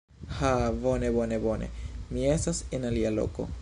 Ha! Bone, bone, bone. Mi estas en alia loko.